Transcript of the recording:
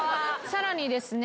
さらにですね